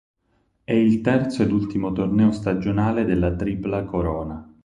È il terzo ed ultimo torneo stagionale della Tripla Corona.